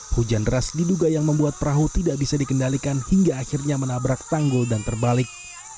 hujan deras diduga yang membuat perahu tidak bisa dikendalikan hingga akhirnya menabrak tanggul dan terbalik